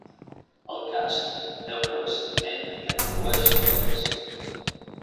El casc té un revestiment que redueix la fricció.